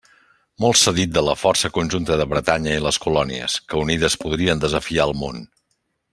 Molt s'ha dit de la força conjunta de Bretanya i les colònies, que unides podrien desafiar el món.